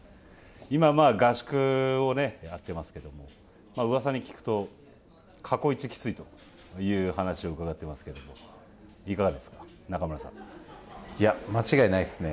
今、合宿をやってますけどもうわさに聞くと過去一きついという話を伺ってますけどもいかがですかいや、間違いないですね。